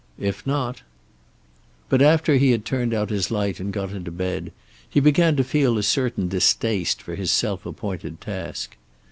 If not But, after he had turned out his light and got into bed, he began to feel a certain distaste for his self appointed task.